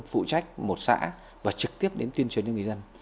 phụ trách một xã và trực tiếp đến tuyên truyền cho người dân